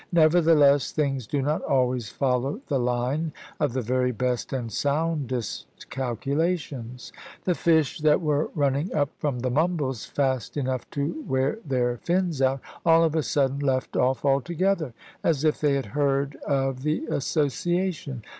Nevertheless, things do not always follow the line of the very best and soundest calculations. The fish that were running up from the Mumbles, fast enough to wear their fins out, all of a sudden left off altogether, as if they had heard of the association.